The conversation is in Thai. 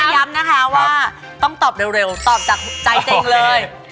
ย้ำนะคะว่าต้องตอบเร็วตอบจากใจจริงเลย